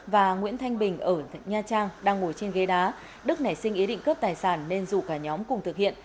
đang ngồi trên ghế đá đức nảy sinh ý định cướp tài sản nên rủ cả nhóm cùng thực hiện